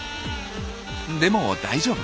でも大丈夫。